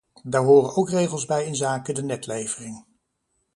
Daar horen ook regels bij inzake de netlevering.